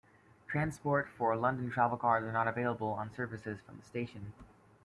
Transport for London Travelcards are not valid on services from the station.